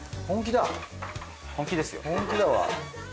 本気だわ。